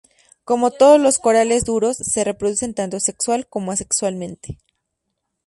Como todos los corales duros, se reproducen tanto sexual como asexualmente.